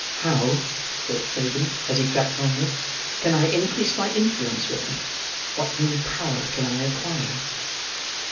"How," thought Fagin, as he crept homeward, "can I increase my influence with her? What new power can I acquire?"